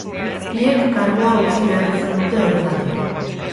Biek kargua utzi behar izan dute horregatik.